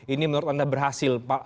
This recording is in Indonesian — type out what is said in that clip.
ini menurut anda berhasil